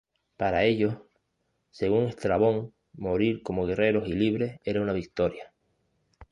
Para ellos, según Estrabón, morir como guerreros y libres era una victoria.